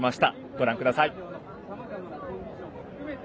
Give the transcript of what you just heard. ご覧ください。